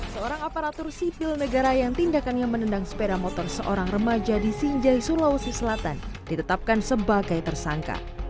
seorang aparatur sipil negara yang tindakannya menendang sepeda motor seorang remaja di sinjai sulawesi selatan ditetapkan sebagai tersangka